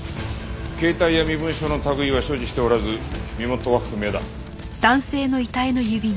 携帯や身分証の類いは所持しておらず身元は不明だ。